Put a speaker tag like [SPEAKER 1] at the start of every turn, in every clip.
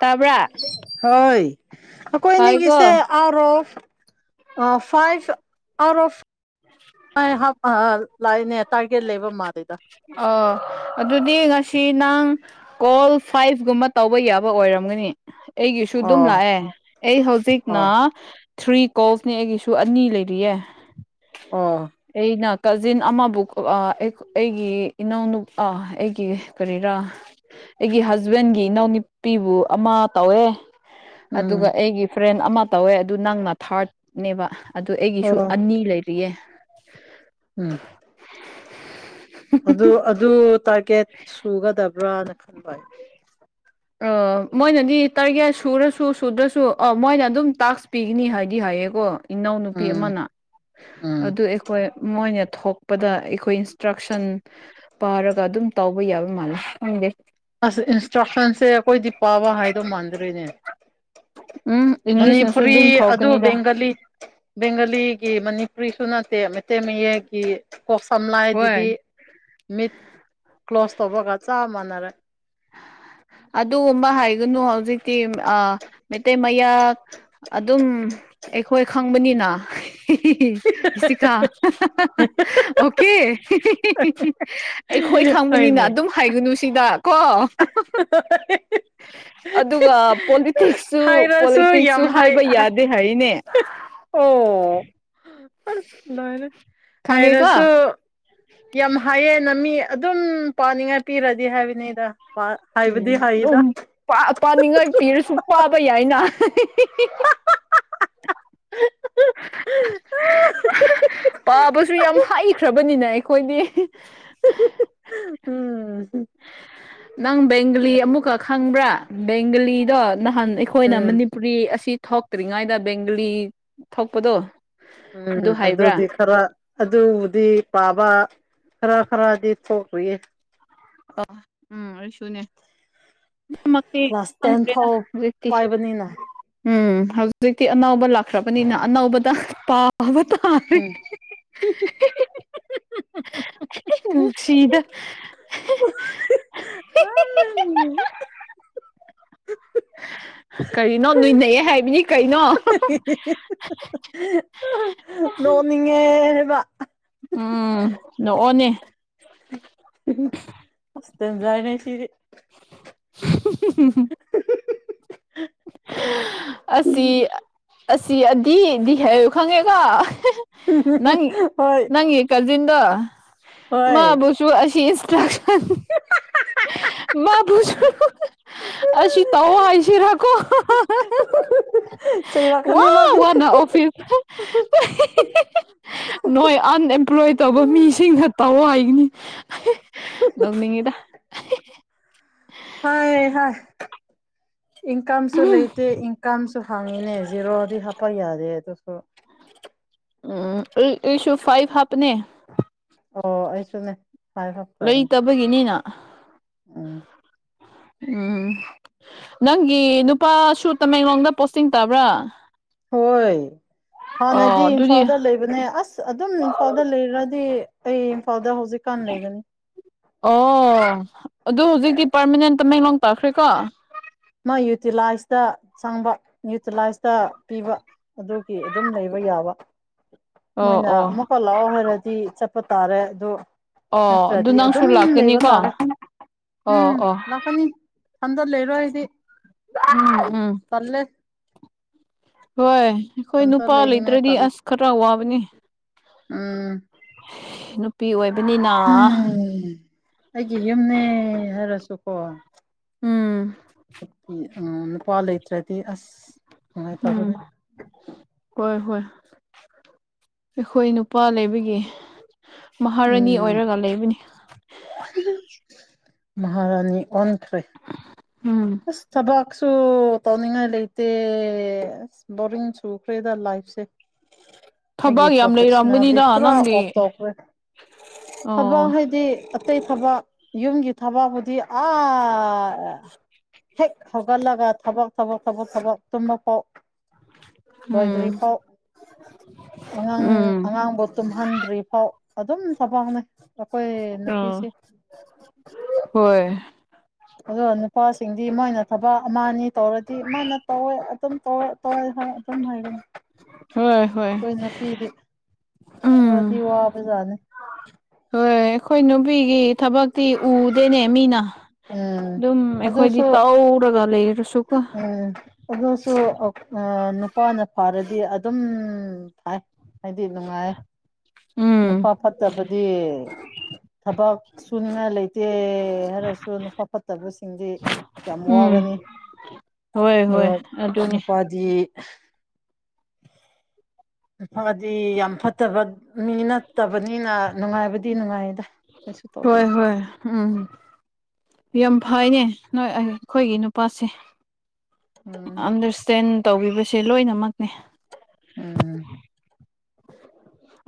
[SPEAKER 1] ꯇꯥꯕ꯭ꯔꯥ
[SPEAKER 2] ꯑꯩꯈꯣꯏꯅꯤꯒꯤꯁꯦ
[SPEAKER 1] ꯇꯥꯏꯀꯣ
[SPEAKER 2] ꯑꯥꯎꯠ ꯑ ꯐꯥꯏꯚ ꯑꯥꯎꯠ ꯑꯣꯐ [unintelligible] ꯇꯥꯔꯒꯦꯠ ꯂꯩꯕ ꯃꯥꯜꯂꯦꯗ
[SPEAKER 1] ꯑꯣ ꯑꯗꯨꯗꯤ ꯉꯁꯤ ꯅꯪ ꯀꯣꯜ ꯐꯥꯏꯚꯒꯨꯝꯕ ꯇꯧꯕ ꯌꯥꯕ ꯑꯣꯏꯔꯝꯒꯅꯤ ꯑꯩꯒꯤꯁꯨ ꯑꯗꯨꯝ
[SPEAKER 2] ꯑꯣ
[SPEAKER 1] ꯂꯥꯛꯑꯦ ꯑꯩ ꯍꯧꯖꯤꯛꯅ
[SPEAKER 2] ꯑꯣ
[SPEAKER 1] ꯊ꯭ꯔꯤ ꯀꯣꯜꯁꯅꯦ ꯑꯩꯒꯤꯁꯨ ꯑꯅꯤ ꯂꯩꯔꯤꯌꯦ
[SPEAKER 2] ꯑꯣ
[SPEAKER 1] ꯑꯩꯅ ꯀꯖꯤꯟ ꯑꯃꯕꯨ ꯑ ꯑꯩꯒꯤ ꯏꯅꯥꯎꯅꯨ ꯑꯥ ꯑꯩꯒꯤ ꯀꯔꯤꯔꯥ ꯑꯩꯒꯤ ꯍꯖꯕꯦꯟꯒꯤ ꯏꯅꯥꯎꯅꯨꯄꯤꯕꯨ ꯑꯃ ꯇꯧꯋꯦ
[SPEAKER 2] ꯎꯝ
[SPEAKER 1] ꯑꯗꯨꯒ ꯑꯩꯒꯤ ꯐ꯭ꯔꯦꯟ ꯑꯃ ꯇꯧꯋꯦ ꯑꯗꯨ ꯅꯪꯅ ꯊꯥꯔꯠꯅꯦꯕ ꯑꯗꯨ ꯑꯩꯒꯤꯁꯨ
[SPEAKER 2] ꯑꯣ
[SPEAKER 1] ꯑꯅꯤ ꯂꯩꯔꯤꯌꯦ
[SPEAKER 2] ꯎꯝ ꯑꯗꯨ ꯑꯗꯨ ꯇꯥꯏ ꯀꯦꯠ ꯁꯨꯒꯗꯕ꯭ꯔꯥꯅ ꯈꯟꯕ
[SPEAKER 1] ꯑ ꯃꯣꯏꯅꯗꯤ ꯇꯥꯔꯒꯦꯠ ꯁꯨꯔꯁꯨ ꯁꯨꯗ꯭ꯔꯁꯨ ꯑ ꯃꯣꯏꯅ ꯑꯗꯨꯝ ꯇꯥꯛꯁ ꯄꯤꯒꯅꯤ ꯍꯥꯏꯗꯤ ꯍꯥꯏꯌꯦꯀꯣ ꯏꯅꯥꯎꯅꯨꯄꯤ
[SPEAKER 2] ꯎꯝ
[SPEAKER 1] ꯑꯃꯅ
[SPEAKER 2] ꯎꯝ
[SPEAKER 1] ꯑꯗꯨ ꯑꯩꯈꯣꯏ ꯃꯣꯏꯅ ꯊꯣꯛꯄꯗ ꯑꯩꯈꯣꯏ ꯏꯟꯁꯇ꯭ꯔꯛꯁꯟ ꯄꯥꯔꯒ ꯑꯗꯨꯝ ꯇꯧꯕ ꯌꯥꯕ ꯃꯥꯜꯂꯦ ꯈꯪꯗꯦ
[SPEAKER 2] ꯑꯁ ꯏꯟꯁꯇ꯭ꯔꯛꯁꯟꯁꯦ ꯈꯣꯏꯗꯤ ꯄꯥꯕ ꯍꯥꯏꯗꯧ ꯃꯥꯟꯗꯔꯦꯅꯦ
[SPEAKER 1] ꯎꯝ ꯏꯪꯂꯤꯁꯅꯁꯨ
[SPEAKER 2] ꯃꯅꯤꯄꯨꯔꯤ
[SPEAKER 1] ꯑꯗꯨꯝ
[SPEAKER 2] ꯑꯗꯨ
[SPEAKER 1] ꯊꯣꯛꯀꯅꯤꯗ
[SPEAKER 2] ꯕꯦꯡꯒꯂꯤ ꯕꯦꯡꯒꯂꯤ ꯃꯅꯤꯄꯨꯔꯤꯁꯨ ꯅꯠꯇꯦ ꯃꯩꯇꯩ ꯃꯌꯦꯛꯀꯤ ꯀꯣꯛ ꯁꯝ ꯂꯥꯏꯗꯨꯗꯤ
[SPEAKER 1] ꯍꯣꯏ
[SPEAKER 2] ꯃꯤꯠ ꯀ꯭ꯂꯣꯁ ꯇꯧꯕꯒ ꯆꯥꯞ ꯃꯥꯟ [unintelligible]
[SPEAKER 1] ꯑꯗꯨꯒꯨꯝꯕ ꯍꯥꯏꯒꯅꯨ ꯍꯧꯖꯤꯛꯇꯤ ꯃꯩꯇꯩ ꯃꯌꯥ ꯑꯗꯨꯝ ꯑꯩꯈꯣꯏ ꯈꯪꯕꯅꯤꯅ ꯏꯁꯤꯀꯥ ꯑꯣ ꯀꯦ ꯀꯦ ꯑꯩꯈꯣꯏ ꯈꯪꯕꯅꯤꯅ
[SPEAKER 2] ꯍꯣꯏꯅꯦ
[SPEAKER 1] ꯑꯗꯨꯝ ꯍꯥꯏꯒꯨꯅꯨ ꯁꯤꯗ ꯀꯣ ꯑꯗꯨꯒ ꯄꯣꯂꯤꯇꯤꯛꯁꯁꯨ
[SPEAKER 2] ꯍꯥꯏꯔꯁꯨ
[SPEAKER 1] ꯄꯣꯂꯤꯇꯤꯛꯁꯁꯨ
[SPEAKER 2] ꯌꯥꯝ ꯍꯥꯏ
[SPEAKER 1] ꯍꯥꯏꯕ
[SPEAKER 2] ꯑꯣ
[SPEAKER 1] ꯌꯥꯗꯦ ꯍꯥꯏꯅꯦ
[SPEAKER 2] ꯑ ꯂꯣꯏꯔꯦ
[SPEAKER 1] ꯈꯪꯉꯦꯀꯣ
[SPEAKER 2] ꯍꯥꯏꯔꯁꯨ ꯌꯥꯝ ꯍꯥꯏꯌꯦ ꯅ ꯃꯤ ꯑꯗꯨꯝ ꯄꯥꯅꯤꯡꯉꯥꯏ ꯄꯤꯔꯗꯤ ꯍꯥꯏꯕꯅꯤꯗ
[SPEAKER 1] ꯎꯝ
[SPEAKER 2] ꯍꯥꯏꯕꯗꯤ ꯍꯥꯏꯗ
[SPEAKER 1] ꯑꯗꯨꯝ ꯄꯥꯅꯤꯡꯉꯥꯏ ꯄꯤꯔꯁꯨ ꯄꯥꯕ ꯌꯥꯏꯅ ꯄꯥꯕꯁꯨ ꯌꯥꯝ ꯍꯩꯈ꯭ꯔꯕꯅꯤꯅ ꯑꯩꯈꯣꯏꯗꯤ
[SPEAKER 2] ꯎꯝ
[SPEAKER 1] ꯅꯪ ꯕꯦꯡꯒꯂꯤ ꯑꯃꯨꯛꯈꯛ ꯈꯪꯕ꯭ꯔꯥ ꯦꯡꯂꯤꯗꯣ ꯅꯍꯥꯟ ꯑꯩꯈꯣꯏꯅ
[SPEAKER 2] ꯎꯝ
[SPEAKER 1] ꯃꯅꯤꯄꯨꯔꯤ ꯑꯁꯤ ꯊꯣꯛꯇ꯭ꯔꯤꯉꯥꯏꯗ ꯕꯦꯡꯒꯂꯤ ꯊ ꯊꯣꯛꯣꯛꯄꯗꯣ
[SPEAKER 2] ꯎꯝ ꯑꯗꯨꯗꯤ ꯈꯔ ꯑꯗꯨꯗꯤ ꯄꯥꯕ ꯍꯔ ꯈꯔꯗꯤ ꯊꯣꯛꯒꯔꯤꯌꯦ
[SPEAKER 1] ꯑ ꯎꯝ ꯑꯗꯨꯁꯨꯨꯅꯦ ꯔ
[SPEAKER 2] ꯀ꯭ꯂꯥꯁ ꯇꯦꯟ ꯐꯥꯎ ꯄꯥꯏꯕꯅꯤꯅ
[SPEAKER 1] ꯎꯝ ꯍꯧꯖꯤꯛꯇꯤ ꯑꯅꯧꯕ ꯂꯥꯛꯈ꯭ꯔꯕꯅꯤꯅ aꯑꯅꯧꯕꯗ ꯄꯕ
[SPEAKER 2] ꯎꯝ
[SPEAKER 1] ꯇꯥꯔꯦꯅꯨꯡꯁꯤꯗ ꯀꯔꯤꯅꯣ ꯅꯣꯏꯅꯩꯌꯦ ꯍꯥꯏꯕꯅꯤ ꯀꯩꯅꯣ
[SPEAKER 2] [unintelligible] ꯅꯣꯅꯤꯡꯉ ꯋꯥ
[SPEAKER 1] ꯎꯝ ꯅꯣꯛꯑꯣꯅꯦ
[SPEAKER 2] ꯑꯁꯦꯟꯖꯥꯅꯦꯦꯁꯤꯔꯤ
[SPEAKER 1] [unintelligible] ꯑꯁꯤ ꯑꯁꯤ ꯑꯗꯨꯗꯤꯗꯤ ꯍꯥꯏꯌꯨ ꯈꯪꯉꯦꯒ
[SPEAKER 2] ꯍꯣꯏ
[SPEAKER 1] ꯭ꯔꯤꯗ
[SPEAKER 2] ꯍꯣꯏ
[SPEAKER 1] ꯃꯥꯕꯨꯁꯨ ꯑꯁꯤ ꯀ
[SPEAKER 2] [inaudible]
[SPEAKER 1] ꯃꯥꯕꯨꯁꯨ ꯑꯁꯤ ꯇꯧꯑꯣ ꯍꯥꯏꯁꯤꯔꯀꯣ ꯋꯥ
[SPEAKER 2] ꯆꯩꯔꯛꯀꯅꯤ ꯃꯥꯗꯤ
[SPEAKER 1] ꯋꯥꯅ ꯑꯣꯐꯤꯁ ꯅꯣꯏ ꯑꯟꯑꯦꯝꯄ꯭ꯂꯣꯏ ꯇꯧꯕ ꯃꯤꯁꯤꯡꯅ ꯇꯧꯑꯣ ꯍꯥꯏꯕꯅꯤ ꯅꯣꯛꯅꯤꯡꯉꯤꯗ
[SPEAKER 2] ꯍꯣꯏ ꯍ ꯏꯟꯀꯝꯁꯨ ꯂꯩꯇꯦ ꯏꯟꯀꯝꯁꯨ ꯍꯥꯡꯉꯤꯅꯦ ꯖꯦꯔꯣꯗꯤ ꯍꯥꯞꯄ ꯌꯥꯗꯦ ꯑꯗꯨ ꯑꯗꯨꯁꯨ
[SPEAKER 1] ꯎꯝ ꯎꯝꯁꯨ ꯐꯥꯏ ꯚ ꯍꯞ ꯅꯦ
[SPEAKER 2] ꯑꯣ ꯑꯩꯁꯨꯅꯦ꯫ ꯍꯥꯏ ꯍꯥꯞꯈ꯭ꯔꯕꯅꯦ
[SPEAKER 1] ꯂꯩꯇꯕꯒꯤꯅꯤꯅ
[SPEAKER 2] ꯎꯝ
[SPEAKER 1] ꯎꯝ ꯅꯪꯒꯤ ꯅꯨꯄꯥꯁꯨ ꯇꯃꯦꯡꯂꯣꯡꯗ ꯄꯣꯁꯇꯤꯡ ꯇꯥꯕ꯭ꯔꯥ?
[SPEAKER 2] ꯍꯣꯏ꯫ ꯍꯥꯟꯅꯗꯤ
[SPEAKER 1] ꯑꯣ ꯑꯗꯨꯗꯤ
[SPEAKER 2] ꯏꯝꯐꯥꯜꯗ ꯂꯩꯕꯅꯦ ꯑꯁ ꯑꯗꯨꯝ ꯏꯝꯐꯥꯜꯗ ꯂꯩꯔꯗꯤ [unintelligible] ꯍꯧꯖꯤꯛꯀꯥꯟ ꯂꯩꯒꯅꯤ
[SPEAKER 1] ꯑꯣ ꯑꯗꯨ ꯍꯧꯖꯤꯛꯇꯤ ꯄꯥꯔꯃꯅꯦꯟꯇ ꯇꯥꯃꯦꯡꯂꯣꯡ ꯇꯥꯛꯈ꯭ꯔꯦꯀꯣ꯫
[SPEAKER 2] ꯃꯥ ꯌꯨꯇꯤꯂꯥꯏꯁꯇ ꯆꯪꯕ ꯌꯨꯇꯤꯂꯥꯏꯁꯇ ꯄꯤꯕ ꯑꯗꯨꯒꯤ ꯑꯗꯨꯝ ꯂꯩꯕ ꯌꯥꯕ꯫
[SPEAKER 1] ꯑꯣ
[SPEAKER 2] ꯃꯣꯏꯅ
[SPEAKER 1] ꯑꯣ
[SPEAKER 2] ꯑꯃꯨꯛꯀ ꯂꯥꯛꯑꯣ ꯍꯥꯏꯔꯗꯤ ꯇꯥꯔꯦ ꯑꯗꯨ
[SPEAKER 1] ꯑꯣ ꯑꯗꯨ
[SPEAKER 2] ꯅꯠꯇ꯭ꯔꯗꯤ
[SPEAKER 1] ꯅꯪꯁꯨ
[SPEAKER 2] ꯑꯗꯨꯝ ꯂꯩꯕ
[SPEAKER 1] ꯂꯥꯛꯀꯅꯤꯀꯣ
[SPEAKER 2] ꯇꯥꯔꯦ
[SPEAKER 1] ꯑꯣ
[SPEAKER 2] ꯎꯝ
[SPEAKER 1] ꯑꯣ
[SPEAKER 2] ꯂꯥꯛꯀꯅꯤ ꯊꯟꯗ ꯂꯩꯔꯣꯏ ꯑꯩꯗꯤ꯫
[SPEAKER 1] ꯎꯝ ꯎꯝ꯫
[SPEAKER 2] ꯇꯜꯂꯦ
[SPEAKER 1] ꯍꯣꯏ꯫ ꯑꯩꯈꯣꯏ
[SPEAKER 2] ꯏꯊꯟꯇ
[SPEAKER 1] ꯅꯨꯄꯥ
[SPEAKER 2] ꯂꯩꯅꯤꯡꯉꯥꯏ
[SPEAKER 1] ꯂꯩꯇ꯭ꯔꯗꯤ
[SPEAKER 2] ꯇꯜꯂꯦ
[SPEAKER 1] ꯑꯁ ꯈꯔ ꯋꯥꯕꯅꯤ꯫
[SPEAKER 2] ꯎꯝ
[SPEAKER 1] ꯅꯨꯄꯤ ꯑꯣꯏ
[SPEAKER 2] ꯍꯝ ꯑꯩꯒꯤ ꯌꯨꯝꯅꯦ ꯍꯥꯏꯔꯁꯨꯀꯣ
[SPEAKER 1] ꯎꯝ
[SPEAKER 2] ꯎꯝ ꯅꯨꯄꯥ ꯇꯔꯗꯤ ꯑꯁ!
[SPEAKER 1] ꯎꯝ
[SPEAKER 2] ꯅꯨꯡꯉꯥꯏꯇꯕꯅꯦ
[SPEAKER 1] ꯍꯣꯏ - ꯍꯣꯏ꯫ ꯑꯩꯈꯣꯏ ꯅꯨꯄꯥ ꯂꯩꯕꯒꯤ ꯃꯍꯥꯔꯥꯅꯤ
[SPEAKER 2] ꯎꯝ
[SPEAKER 1] ꯑꯣꯏꯔꯒ ꯂꯩꯕꯅꯤ꯫
[SPEAKER 2] ꯃꯍꯥꯔꯥꯅꯤ ꯑꯣꯟꯈꯔꯦ
[SPEAKER 1] ꯎꯝ
[SPEAKER 2] ꯑꯁ ꯊꯕꯛ ꯁꯨ ꯇꯧꯅꯤꯡꯉꯥꯏ ꯂꯩꯇꯦ ꯕꯣꯔꯤꯡ ꯆꯨꯈ꯭ꯔꯦꯗ ꯂꯥꯏꯐꯁꯦ꯫ ꯑꯩꯒꯤ
[SPEAKER 1] ꯊꯕꯛ ꯌꯥꯝ
[SPEAKER 2] ꯄ꯭ꯔꯣꯐꯦꯁꯟꯅꯜꯗꯤ
[SPEAKER 1] ꯂꯩꯔꯝꯒꯅꯤꯗ
[SPEAKER 2] ꯄꯨꯔꯥ ꯑꯣꯞ
[SPEAKER 1] ꯅꯪꯒꯤ
[SPEAKER 2] ꯇꯧꯈ꯭ꯔꯦ ꯊꯕꯛ
[SPEAKER 1] ꯑꯣ
[SPEAKER 2] ꯍꯥꯏꯗꯤ ꯑꯇꯩ ꯊꯕꯛ ꯌꯨꯝꯒꯤ ꯊꯕꯛꯕꯨꯨꯗꯤ ꯑꯥ ꯍꯦꯛ ꯍꯧꯒꯠꯂꯒ ꯊꯕꯛ- ꯊꯕꯛ - ꯊꯕꯛ- ꯊꯕꯛ ꯇꯨꯝꯕꯥ ꯐꯥꯎ꯫
[SPEAKER 1] ꯎꯝ
[SPEAKER 2] ꯂꯣꯏꯗ꯭ꯔꯤꯐꯥꯎ ꯑꯉꯥꯡ
[SPEAKER 1] ꯎꯝ
[SPEAKER 2] ꯑꯉꯥꯡꯕꯨ ꯇꯨꯝꯍꯟꯗ꯭ꯔꯤꯐꯥꯎ ꯑꯗꯨꯝ ꯊꯕꯛꯅꯦ ꯫ ꯑꯈꯣꯏ
[SPEAKER 1] ꯑꯣ
[SPEAKER 2] ꯅꯨꯄꯤꯁꯤ
[SPEAKER 1] ꯍꯣꯏ
[SPEAKER 2] ꯑꯗꯣ ꯅꯨꯄꯥꯁꯤꯡꯗꯤ ꯃꯣꯏꯅ ꯊꯕꯛ ꯑꯃꯅꯤ ꯇꯧꯔꯗꯤ ꯃꯥꯅ ꯇꯧꯋꯦ ꯇ ꯇ ꯍꯥꯏꯝ ꯍꯥꯏꯒ
[SPEAKER 1] ꯍꯣꯏ ꯍꯣꯏ
[SPEAKER 2] ꯋꯥꯗꯤ
[SPEAKER 1] ꯎꯝ
[SPEAKER 2] ꯋꯥꯕꯖꯥꯠꯅꯤ
[SPEAKER 1] ꯍꯣꯏ ꯑꯩꯈꯣꯏ ꯅꯨꯄꯤꯒꯤ ꯊꯕꯛꯇꯤ ꯎꯗꯦꯅꯦ ꯃꯤꯅ
[SPEAKER 2] ꯎꯝ
[SPEAKER 1] ꯑꯗꯨꯝ ꯑꯩꯈꯣꯏꯗꯤ
[SPEAKER 2] ꯑꯗꯨꯁꯨ
[SPEAKER 1] ꯇꯧꯔꯒ ꯄ꯭ꯂꯦꯠ
[SPEAKER 2] ꯎꯝ ꯑꯗꯨꯁꯨ ꯑ ꯅꯨꯄꯥꯅ ꯐꯥꯔꯗꯤ ꯑꯗꯨꯝ ꯊꯥꯏ ꯍꯥꯏꯗꯤ ꯅꯨꯡꯉꯥꯏ
[SPEAKER 1] ꯎꯝ
[SPEAKER 2] ꯅꯨꯄꯥ ꯐꯠꯇꯕꯗꯤ ꯊꯕꯛ ꯁꯨꯉ ꯂꯩ ꯇꯦ ꯍꯥꯏꯔꯁꯨ ꯅꯨꯄꯥ ꯐꯠꯇꯕꯁꯤꯡꯗꯤ ꯌꯥꯝ
[SPEAKER 1] ꯎꯝ
[SPEAKER 2] ꯋꯥꯒꯅꯤ
[SPEAKER 1] ꯍꯣꯏ ꯍꯣꯏ
[SPEAKER 2] ꯑꯣ
[SPEAKER 1] ꯑꯗꯨꯅꯤ
[SPEAKER 2] ꯅꯨꯄꯥꯗꯤ [unintelligible] ꯗꯤ ꯌꯥꯝ ꯐꯠꯇꯕ ꯃꯤ ꯅꯠꯇꯕꯅꯤꯅ ꯅꯨꯡꯉꯥꯏꯕꯗꯤ ꯅꯨꯡꯉꯥꯏꯗ ꯀꯩꯁꯨ
[SPEAKER 1] ꯍꯣꯏ
[SPEAKER 2] ꯇꯧꯗꯦꯗ
[SPEAKER 1] ꯍꯣꯏ ꯎꯝ ꯌꯥꯝ ꯐꯩꯅꯦ ꯅꯣꯏ ꯑꯩꯈꯣꯏꯒꯤ ꯅꯨꯄꯥꯁꯦ
[SPEAKER 2] ꯎꯝ
[SPEAKER 1] ꯑꯟꯗꯔꯁꯇꯦꯟ ꯇꯧꯕꯤꯕꯁꯦ ꯂꯣꯏꯅꯃꯛꯅꯦ
[SPEAKER 2] ꯎꯝ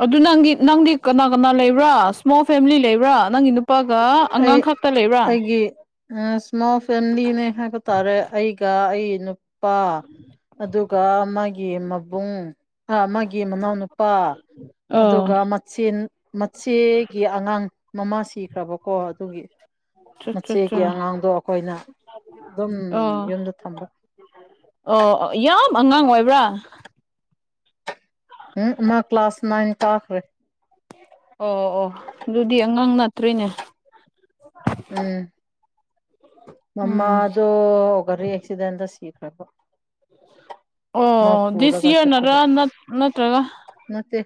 [SPEAKER 1] ꯑꯗꯨ ꯅꯪꯒꯤ ꯅꯪꯗꯤ ꯀꯅꯥ ꯀꯅꯥ ꯂꯩꯕ꯭ꯔꯥ ꯏꯁꯃꯣꯜ ꯐꯦꯃꯤꯂꯤ ꯂꯩꯕ꯭ꯔꯥ ꯅꯪꯒꯤ ꯅꯨ ꯆꯄꯒ ꯑꯉꯥꯡ ꯈꯛꯇ ꯂꯩꯕ꯭ꯔꯥ
[SPEAKER 2] ꯑ ꯁꯃꯣ ꯐꯂꯤꯅꯦ ꯒ ꯇꯔꯦ ꯑꯩꯒ ꯑꯩ ꯅꯨꯄꯥ ꯑꯗꯨꯒ ꯑꯃꯒꯤ ꯃꯕꯨꯡ ꯑꯃꯒꯤ ꯃꯅꯥꯎꯅꯨꯄꯥ ꯂꯄꯥ
[SPEAKER 1] ꯑꯣ
[SPEAKER 2] ꯑꯗꯨꯒ ꯃꯆꯦꯟ ꯃꯆꯦꯒꯤ ꯑꯉꯥꯡ ꯃꯃꯥ ꯁꯤꯈ꯭ꯔꯕꯣ ꯀꯣ ꯑꯗꯨꯒꯤ ꯃꯆꯦꯒꯤ ꯑꯉꯥꯡꯗꯣ ꯑꯩꯈꯣꯏꯅ ꯑꯗꯨꯝ
[SPEAKER 1] ꯑꯣ
[SPEAKER 2] ꯌꯨꯝꯗ ꯊꯝꯕ
[SPEAKER 1] ꯑꯣ ꯌꯥꯝ ꯑꯉꯥꯡ ꯑꯣꯏꯕ꯭ꯔꯥ
[SPEAKER 2] ꯎꯝ ꯃꯥ ꯀ꯭ꯂꯥꯁ ꯅꯏꯟ ꯇꯥꯈ꯭ꯔꯦ
[SPEAKER 1] ꯑꯣ ꯑꯣ ꯑꯗꯨꯗꯤ ꯑꯉꯥꯡ ꯅꯠꯇ꯭ꯔꯤꯅꯦ
[SPEAKER 2] ꯃꯃ
[SPEAKER 1] ꯎꯝ
[SPEAKER 2] ꯑꯗꯨ ꯑꯗꯨ ꯑꯣꯒꯔꯤꯔꯤ ꯑꯦꯛꯁꯤꯗ ꯁꯤꯒ [unintelligible]
[SPEAKER 1] ꯑꯣ ꯗꯤꯁ
[SPEAKER 2] ꯄꯨꯔꯒ
[SPEAKER 1] ꯌꯔ
[SPEAKER 2] ꯆꯠꯄꯗ
[SPEAKER 1] ꯅꯠꯇ꯭ꯔꯥ ꯅꯠꯇ꯭ꯔꯒ
[SPEAKER 2] ꯅꯠꯇꯦ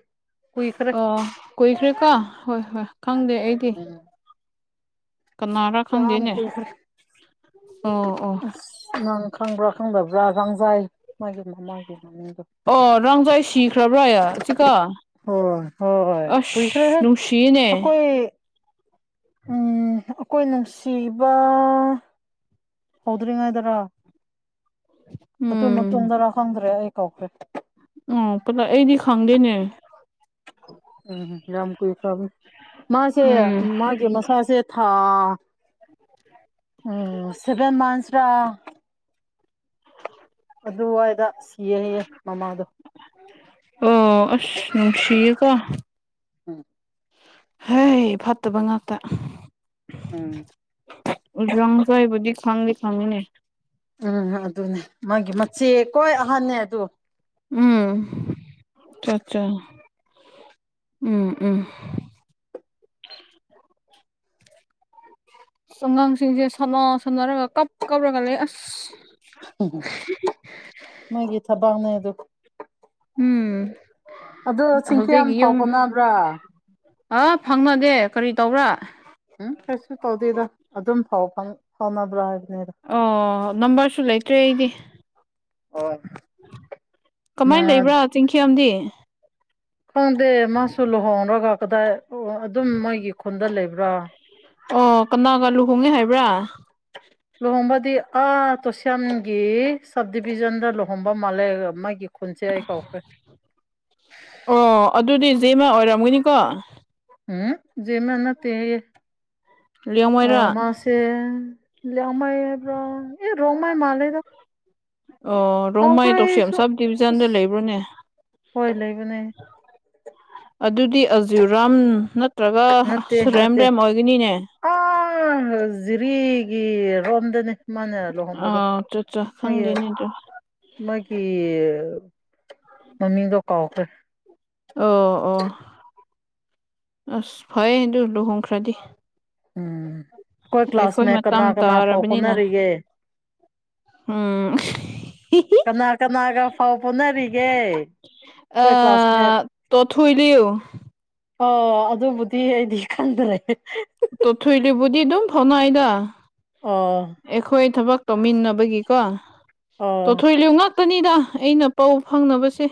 [SPEAKER 2] ꯀꯨꯏꯈ꯭ꯔꯦ
[SPEAKER 1] ꯑꯣ ꯀꯨꯏꯈ꯭ꯔꯦꯀ ꯍꯣꯏ ꯍꯣꯏ ꯈꯪꯗꯦ ꯑꯩꯗꯤ
[SPEAKER 2] ꯎꯝ
[SPEAKER 1] ꯀꯅꯥꯔꯥ
[SPEAKER 2] ꯌꯥꯝ
[SPEAKER 1] ꯈꯪꯗꯦꯅꯦ
[SPEAKER 2] ꯀꯨꯏꯈ꯭ꯔꯦ
[SPEAKER 1] ꯑꯣ ꯑꯣ
[SPEAKER 2] ꯑꯁ ꯅꯪ ꯈꯪꯕ꯭ꯔꯥ ꯈꯪꯗꯕ꯭ꯔꯥ ꯋꯥꯥꯡꯖꯥꯏ ꯃꯥꯏꯒꯤ ꯃꯃꯥꯒꯤ ꯃꯃꯤꯡꯗꯣ
[SPEAKER 1] ꯑꯣ ꯔꯣꯡꯖꯣꯏ ꯁꯤꯈ꯭ꯔꯕ꯭ꯔꯥꯌꯥ ꯆꯤꯀꯥ
[SPEAKER 2] ꯍꯣꯏ ꯍꯣꯏ
[SPEAKER 1] ꯑꯁ
[SPEAKER 2] ꯀꯨꯏꯈ꯭ꯔꯦꯍꯦ
[SPEAKER 1] ꯅꯨꯡꯁꯤꯌꯦꯅꯦ
[SPEAKER 2] ꯑꯩꯈꯣꯏ ꯎꯝ ꯑꯈꯣꯏ ꯅꯨꯡꯁꯤꯕ ꯍꯧꯗ꯭ꯔꯤꯉꯩꯗꯔꯥ ꯑꯗꯨ
[SPEAKER 1] ꯎꯝ
[SPEAKER 2] ꯃꯇꯨꯡꯗꯔꯥ ꯈꯪꯗ꯭ꯔꯦ ꯑꯩ ꯀꯥꯎꯈ꯭ꯔꯦ
[SPEAKER 1] ꯎꯝ ꯄꯨꯂꯞ ꯑꯩꯗꯤ ꯈꯪꯗꯦꯅꯦ
[SPEAKER 2] ꯎꯝ ꯌꯥꯝ ꯀꯨꯏꯈ꯭ꯔꯕꯅꯤ ꯃꯥꯁꯦ
[SPEAKER 1] ꯎꯝ
[SPEAKER 2] ꯃꯥꯒꯤ ꯃꯁꯥꯁꯦ ꯊꯥ ꯑꯥ ꯎꯝ ꯁꯦꯚꯦꯟ ꯃꯟꯁ ꯔꯥ
[SPEAKER 1] ꯂꯧꯁꯤꯟꯕ ꯉꯝꯗꯕ
[SPEAKER 2] ꯑꯗꯨꯋꯥꯏꯗ ꯁꯤ ꯒꯤꯍꯥꯏꯌꯦ ꯃꯃꯥꯗꯣ
[SPEAKER 1] ꯑꯣ ꯑꯁ ꯅꯨꯡꯁꯤꯌꯦꯀꯣ
[SPEAKER 2] ꯎꯝ
[SPEAKER 1] ꯍꯩ ꯐꯠꯇꯕ ꯉꯥꯛꯇ
[SPEAKER 2] ꯎꯝ
[SPEAKER 1] ꯔꯪꯖꯥꯏꯕꯨꯗꯤ ꯈꯪꯗꯤ ꯈꯪꯉꯤꯅꯦ
[SPEAKER 2] ꯎꯝ ꯑꯍꯥꯟꯅꯦ ꯑꯗꯨ
[SPEAKER 1] ꯎꯝ ꯑꯆꯥ ꯑꯆꯥ ꯎꯝ ꯎꯝ ꯑꯁ ꯑꯉꯥꯡꯁꯤꯡꯁꯦ ꯁꯥꯟꯅ ꯁꯥꯟꯅꯔꯒ ꯀꯞ ꯀꯞꯔꯒ ꯂꯩ ꯑꯁ
[SPEAKER 2] ꯃꯣꯏꯒꯤ ꯊꯕꯛꯅꯦ [unintelligible]
[SPEAKER 1] ꯎꯝ
[SPEAKER 2] ꯑꯗꯣ ꯆꯤꯡꯀꯤꯌꯥꯝ ꯐꯥꯎ ꯐꯥꯎꯅꯕ꯭ꯔꯥ
[SPEAKER 1] ꯑ ꯐꯪꯅꯗꯦ ꯀꯔꯤ ꯇꯧꯕ꯭ꯔꯥ
[SPEAKER 2] ꯎꯝ ꯀꯩꯁꯨ ꯇꯧꯗꯦꯗꯥ ꯑꯗꯨ ꯐꯥꯎ ꯐꯪ ꯐꯥꯎꯅꯕ꯭ꯔꯥ ꯍꯥꯏꯕ
[SPEAKER 1] ꯑꯣ ꯅꯝꯕꯔꯁꯨ ꯂꯩꯇ꯭ꯔꯦ ꯑꯩꯗꯤ
[SPEAKER 2] ꯑꯣ
[SPEAKER 1] ꯀꯃꯥꯏ
[SPEAKER 2] ꯃꯥ
[SPEAKER 1] ꯂꯩꯕ꯭ꯔꯥ ꯆꯤꯡꯈꯤꯌꯥꯝꯗꯤ
[SPEAKER 2] ꯈꯪꯗꯦ ꯃꯥꯁꯨ ꯂꯨꯍꯣꯡꯔꯒ ꯀꯗꯥꯏ ꯑꯣ ꯑꯗꯨꯝ ꯃꯣꯏꯒꯤ ꯈꯨꯟꯗ ꯂꯩꯕ꯭ꯔꯥ
[SPEAKER 1] ꯑꯣ ꯀꯅꯥꯒ ꯂꯨꯍꯣꯡꯉꯦ ꯍꯥꯏꯕ꯭ꯔꯥ
[SPEAKER 2] ꯂꯨꯍꯣꯡꯕꯗꯤ ꯑꯥ ꯇꯣꯁꯤꯌꯥꯝꯒꯤ ꯁꯕ ꯗꯤꯕꯤꯖꯟꯗ ꯂꯨꯍꯣꯡꯕ ꯃꯥꯂꯦ ꯒ ꯃꯥꯒꯤ ꯈꯨꯟꯁꯦ ꯑꯩ ꯀꯥꯎꯈ꯭ꯔꯦ
[SPEAKER 1] ꯑꯣ ꯑꯗꯨꯗꯤ ꯖꯦꯃ ꯑꯣꯏꯔꯝꯒꯅꯤꯀꯣ
[SPEAKER 2] ꯎꯝ ꯖꯦꯃ ꯅꯠꯇꯦ ꯍꯥꯏꯌꯦ ꯑꯝ
[SPEAKER 1] ꯂꯤꯌꯥꯡꯃꯩꯔꯥ
[SPEAKER 2] ꯃꯥꯁꯦ ꯂꯃꯥꯏꯕ꯭ꯔ ꯑꯦ ꯔꯣꯃꯥꯏ ꯃꯥꯂꯦꯗ
[SPEAKER 1] ꯑꯣ ꯔꯣꯡꯃꯥꯏ ꯇꯣꯛꯁꯦꯝ ꯁꯕ ꯗꯤꯕꯤꯖꯟꯗ
[SPEAKER 2] ꯑꯁ
[SPEAKER 1] ꯂꯩꯕ꯭ꯔꯣꯅꯦ
[SPEAKER 2] ꯍꯣꯏ ꯂꯩꯕꯅꯦ
[SPEAKER 1] ꯑꯗꯨꯗꯤ ꯑꯖꯤꯨꯔꯥꯝ ꯅ ꯅꯠꯇ꯭ꯔꯒ
[SPEAKER 2] ꯅꯠꯇꯦ
[SPEAKER 1] ꯑ ꯔꯦꯝ
[SPEAKER 2] ꯅꯠꯇꯦ
[SPEAKER 1] ꯔꯦꯝ ꯑꯣꯏꯒꯅꯤꯅꯦ
[SPEAKER 2] ꯐꯒꯤ ꯔꯣꯝꯗꯅꯤ ꯃꯅꯦ ꯂꯨꯍꯣꯡꯕꯗꯣ
[SPEAKER 1] ꯑꯥ ꯆꯥ ꯆꯥ
[SPEAKER 2] ꯃꯥꯣꯏꯒꯤ
[SPEAKER 1] ꯈꯪꯗꯦꯅꯦ ꯑꯗꯨ
[SPEAKER 2] ꯃꯥꯒꯤ ꯃꯃꯤ ꯀ ꯀꯥꯎꯥꯎꯈ
[SPEAKER 1] ꯑꯣ ꯑꯣ ꯑꯁ ꯐꯌꯦ ꯍꯗꯨ ꯂꯨꯍꯣꯡ ꯈ꯭ꯔꯥꯗꯤ
[SPEAKER 2] ꯎꯝ ꯑꯩꯈꯣꯏ ꯀ꯭ꯂꯥꯁꯃꯦꯠ ꯀꯅꯥ ꯀꯅꯥ ꯐꯥꯎ
[SPEAKER 1] ꯇꯥꯔꯕꯅꯤꯅ
[SPEAKER 2] ꯍꯣꯠꯅꯔꯤꯒꯦ
[SPEAKER 1] ꯎꯝ
[SPEAKER 2] ꯀꯅꯥ ꯀꯅꯥꯒ ꯐꯥꯎ ꯐꯣꯅꯔꯤꯒꯦ ꯑꯩꯈꯣꯏ ꯀ꯭ꯂꯥꯁꯃꯦꯠ
[SPEAKER 1] ꯑꯥ ꯇꯣꯊꯣꯏꯂꯤꯌꯨ
[SPEAKER 2] ꯑ ꯑꯗꯨꯕꯨꯗꯤ ꯑꯩꯗꯤ ꯈꯟꯗ꯭ꯔꯦ
[SPEAKER 1] ꯇꯣ ꯊꯨꯏꯔꯤꯕꯕꯨꯗꯤꯗꯨꯝ ꯅꯥꯏ ꯗ
[SPEAKER 2] ꯑꯣ
[SPEAKER 1] ꯑꯩꯈꯣꯏ ꯊꯕꯛ ꯇꯣꯃꯤꯟ ꯅꯕꯒ ꯀꯣ
[SPEAKER 2] ꯑꯣ
[SPEAKER 1] ꯇꯣ ꯊꯣꯏ ꯂꯌ ꯉꯥꯛꯇꯅꯤꯗ ꯑꯩꯅ ꯄꯥꯎ ꯐꯪꯅꯕꯁꯦ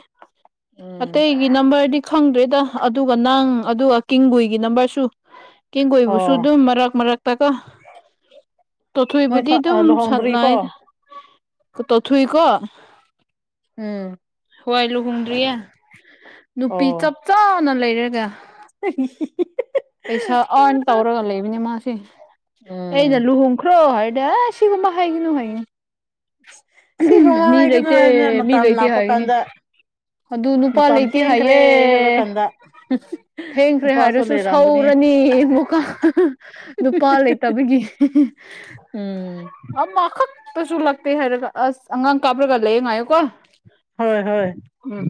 [SPEAKER 1] ꯃꯦ
[SPEAKER 2] ꯎꯝ
[SPEAKER 1] ꯑꯩꯒꯤ ꯅꯝꯕꯔꯗꯤ ꯈꯪꯗ꯭ꯔꯦꯗ ꯑꯗꯨꯒ ꯅꯪ ꯑꯗꯨꯒ ꯀꯤꯡꯒꯨꯏꯒꯤ ꯅꯝꯕꯔꯁꯨ ꯇꯦꯡꯒꯣꯏꯕꯁꯨ
[SPEAKER 2] ꯑꯣ
[SPEAKER 1] ꯑꯗꯨꯝ ꯃꯔꯛ ꯃꯔꯛ ꯇ ꯀꯣ
[SPEAKER 2] ꯃꯣꯏ
[SPEAKER 1] ꯇꯣꯊꯣꯏꯕꯨꯗꯤ ꯑꯗꯨꯝ
[SPEAKER 2] ꯂꯨꯍꯣꯡꯗ꯭ꯔꯤꯀꯣ
[SPEAKER 1] ꯁꯥꯟꯠꯅꯏ ꯇꯣꯊꯨꯣꯏ ꯀꯣ
[SPEAKER 2] ꯎꯝ
[SPEAKER 1] ꯍꯋꯥꯏ ꯂꯨꯍꯨꯝꯟꯗꯌꯥ ꯅꯨꯄꯤ ꯆꯞ
[SPEAKER 2] ꯑꯣ
[SPEAKER 1] ꯆꯆꯥ ꯅ ꯂꯩ ꯈꯔꯒ
[SPEAKER 2] [unintelligible]
[SPEAKER 1] ꯑꯥꯔꯟ ꯇꯧꯔꯒ [unintelligible] ꯑꯩꯅ
[SPEAKER 2] ꯎꯝ
[SPEAKER 1] ꯂꯨꯍꯣꯡꯈ꯭ꯔꯣ ꯍꯥꯏ ꯗ ꯁꯤꯒꯨꯝꯕ ꯍꯥꯏꯅꯅꯨꯡꯉꯡ
[SPEAKER 2] ꯁꯤꯒꯨꯝꯕ
[SPEAKER 1] ꯃꯤ
[SPEAKER 2] ꯍꯥꯏꯒꯅꯨ ꯍꯥꯏꯕꯅꯦ
[SPEAKER 1] ꯂꯩꯇꯦ ꯃꯤ
[SPEAKER 2] ꯃꯇꯝ
[SPEAKER 1] ꯂꯩꯇꯦ
[SPEAKER 2] ꯂꯥꯛꯄ
[SPEAKER 1] ꯍꯥꯏꯅꯤ
[SPEAKER 2] ꯀꯥꯟꯗ
[SPEAKER 1] ꯑꯗꯨ ꯅꯨꯄꯥ
[SPEAKER 2] ꯃꯇꯝ
[SPEAKER 1] ꯂꯩꯇꯦ
[SPEAKER 2] ꯊꯦꯡꯈ꯭ꯔꯦ
[SPEAKER 1] ꯍꯥꯏꯌꯦ
[SPEAKER 2] ꯍꯥꯏꯕ ꯀꯥꯟꯗ
[SPEAKER 1] ꯊꯦꯡꯈ꯭ꯔꯦ
[SPEAKER 2] ꯅꯨꯄꯥꯁꯨ
[SPEAKER 1] ꯍꯥꯏꯔꯁꯨ
[SPEAKER 2] ꯂꯩꯔꯝꯒꯅꯤ
[SPEAKER 1] ꯁꯥꯎꯔꯅꯤ ꯑꯃꯨꯛꯀ ꯅꯨꯄꯥ ꯂꯩꯇꯕꯒꯤ
[SPEAKER 2] ꯎꯝ
[SPEAKER 1] ꯑꯃꯈꯛ ꯇꯁꯨ ꯀꯩ ꯍꯥꯏꯔꯒ ꯑꯁ ꯑꯉꯥꯡ ꯀꯞꯄꯒ ꯂꯩꯔꯦ ꯉꯥꯏꯌꯨꯀꯣ
[SPEAKER 2] ꯍꯣꯏ ꯍꯣꯏ
[SPEAKER 1] ꯎꯝ